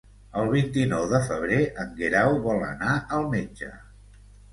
El vint-i-nou de febrer en Guerau vol anar al metge.